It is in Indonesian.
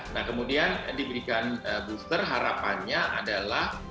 nah kemudian diberikan booster harapannya adalah